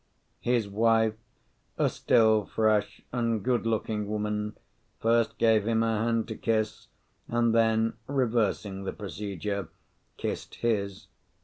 His wife, a still fresh and good looking woman, first gave him her hand to kiss, and then, reversing the procedure, kissed his.